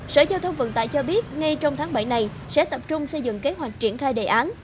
sở giao thông vận tải cho biết ngay trong tháng bảy này sẽ tập trung xây dựng kế hoạch triển khai đề án